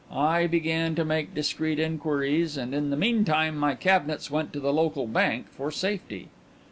I began to make discreet inquiries and in the meantime my cabinets went to the local bank for safety.